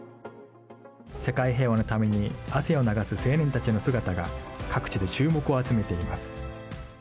世界平和のために、汗を流す青年たちの姿が各地で注目を集めています。